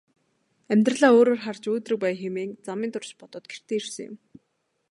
Амьдралаа өөрөөр харж өөдрөг байя хэмээн замын турш бодоод гэртээ ирсэн юм.